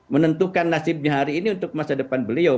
menentukan nasibnya hari ini untuk masa depan beliau